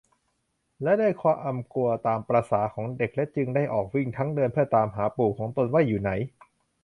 และด้วยความกลัวตามประสาของเด็ก และจึงได้ออกวิ่ง ทั้งเดินเพื่อตามหาปู่ของตนว่าอยู่ไหน